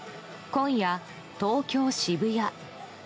今夜、東京・渋谷。